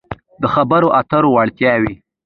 -د خبرو اترو وړتیاوې